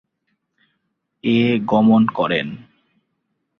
এ গমন করেন।